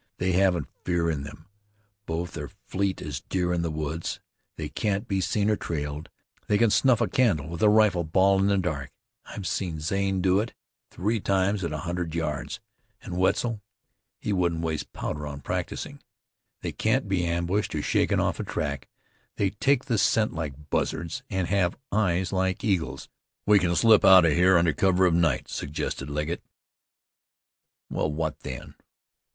They haven't fear in them. Both are fleet as deer in the woods. They can't be seen or trailed. They can snuff a candle with a rifle ball in the dark. I've seen Zane do it three times at a hundred yards. And Wetzel! He wouldn't waste powder on practicing. They can't be ambushed, or shaken off a track; they take the scent like buzzards, and have eyes like eagles." "We kin slip out of here under cover of night," suggested Legget. "Well, what then?